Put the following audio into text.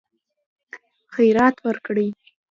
خیرات ورکړي.